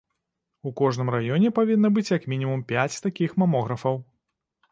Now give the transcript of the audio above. У кожным раёне павінна быць як мінімум пяць такіх мамографаў.